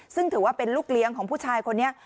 ซึ่งถือว่าเป็นลูกเลี้ยงของผู้ชายคนนี้